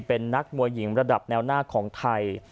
เป็นนักมวยหญิงระดับแนวหน้าของไทย